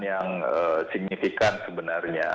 yang signifikan sebenarnya